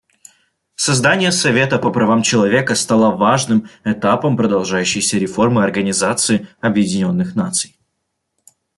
Создание Совета по правам человека стало важным этапом продолжающейся реформы Организации Объединенных Наций.